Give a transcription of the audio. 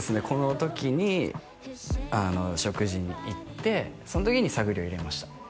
この時に食事に行ってそん時に探りを入れました